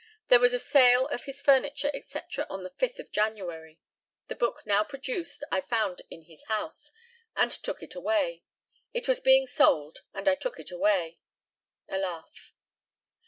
There was a sale of his furniture, &c., on the 5th of January. The book now produced I found in his house, and took it away. It was being sold, and I took it away. (A laugh.)